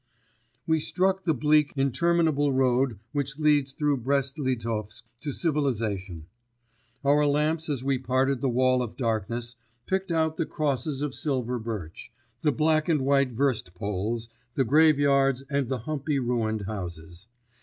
We struck the bleak, interminable road which leads through Brest Litovsk to civilisation. Our lamps as we parted the wall of darkness, picked out the crosses of silver birch, the black and white verst poles, the graveyards and the humpy ruined houses.